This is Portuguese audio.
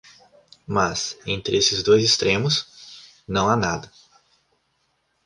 Mas, entre esses dois extremos, não há nada.